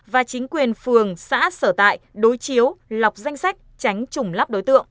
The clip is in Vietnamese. và chính quyền phường xã sở tại đối chiếu lọc danh sách tránh trùng lắp đối tượng